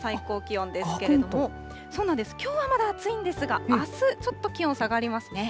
きょうはまだ暑いんですが、あす、ちょっと気温下がりますね。